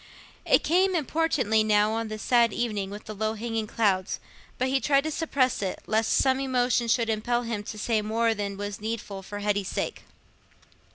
It came importunately now, on this sad evening, with the low hanging clouds, but he tried to suppress it, lest some emotion should impel him to say more than was needful for Hetty's sake.